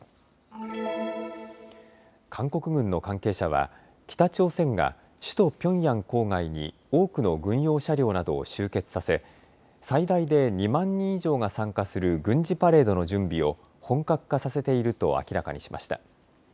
韓国軍の関係者は北朝鮮が首都ピョンヤン郊外に多くの軍用車両などを集結させ最大で２万人以上が参加する軍事パレードの準備を本格化させていると明らかにしました。